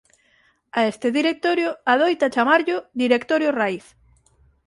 A este directorio adoita chamarllo directorio raíz.